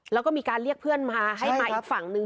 แล้วก็มีการเรียกเพื่อนมาให้มาอีกฝั่งนึง